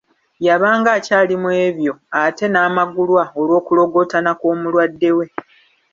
Yabanga akyali mw’ebyo ate n’amagulwa olw’okulogootana kw’omulwadde we.